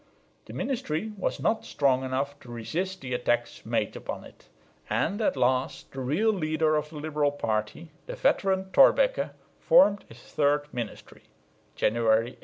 The ministry was not strong enough to resist the attacks made upon it; and at last the real leader of the liberal party, the veteran Thorbecke, formed his third ministry (January, 1871).